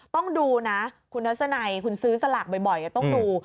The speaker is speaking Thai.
ต้องดูนะคุณทัศนัยคุณซื้อสลากบ่อยต้องดู